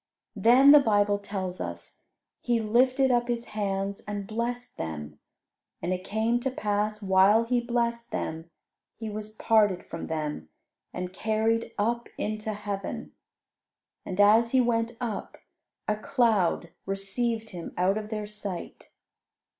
Then, the Bible tells us, "He lifted up His hands and blessed them. And it came to pass, while He blessed them, He was parted from them, and carried up into heaven." And as He went up, a cloud received Him out of their sight.